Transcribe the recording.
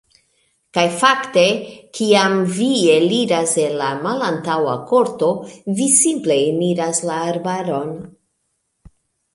Kaj fakte, kiam vi eliras el la malantaŭa korto, vi simple eniras la arbaron.